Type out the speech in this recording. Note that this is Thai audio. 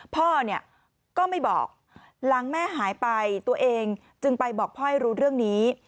พ่อเนี่ยก็ไม่บอกหลังแม่หายไปตัวเองจึงไปบอกพ่อให้รู้เรื่องนี้